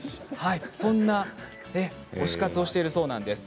そんな推し活をしているそうなんです。